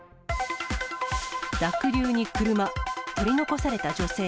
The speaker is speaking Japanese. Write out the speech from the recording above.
濁流に車、取り残された女性。